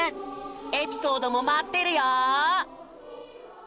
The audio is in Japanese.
エピソードも待ってるよ。